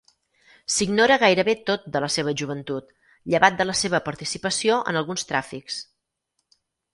S'ignora gairebé tot de la seva joventut, llevat de la seva participació en alguns tràfics.